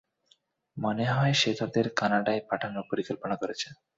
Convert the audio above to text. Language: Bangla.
মনে হয় সে তাদের কানাডায় পাঠানোর পরিকল্পনা করেছে।